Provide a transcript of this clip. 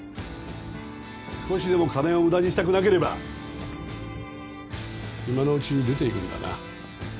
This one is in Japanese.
少しでも金を無駄にしたくなければ今のうちに出ていくんだな。